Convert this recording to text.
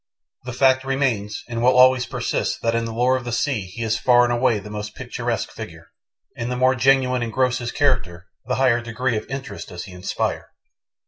The fact remains and will always persist that in the lore of the sea he is far and away the most picturesque figure, and the more genuine and gross his career, the higher degree of interest does he inspire.